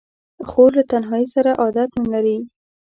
خور له تنهایۍ سره عادت نه لري.